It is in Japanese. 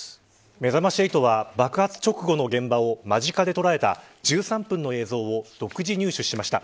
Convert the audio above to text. めざまし８は爆発直後の現場を間近で捉えた１３分の映像を独自入手しました。